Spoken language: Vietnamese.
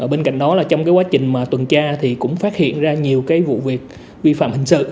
bên cạnh đó trong quá trình tuần tra cũng phát hiện ra nhiều vụ việc vi phạm hình sự